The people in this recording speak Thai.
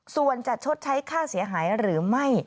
ส่วนจะชดใช้ค่าเสียหายหรือไม่